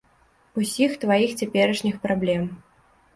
Усіх тваіх цяперашніх праблем.